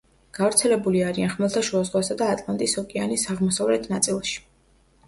გავრცელებული არიან ხმელთაშუა ზღვასა და ატლანტის ოკეანის აღმოსავლეთ ნაწილში.